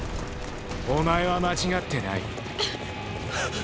お前は間違ってない。